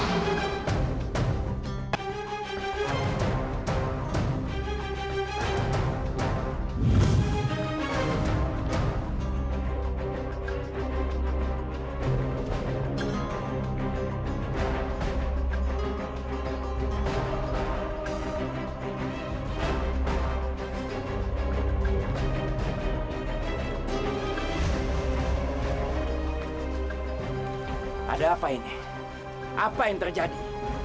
nggak ada yang nunggu